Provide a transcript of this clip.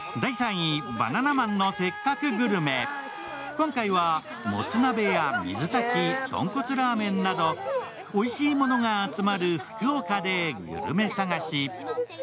今回は、もつ鍋や水炊き、豚骨ラーメンなどおいしいものが集まる福岡でグルメ探し。